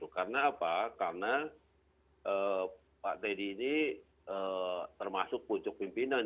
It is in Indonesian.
karena apa karena pak teddy ini termasuk pucuk pimpinan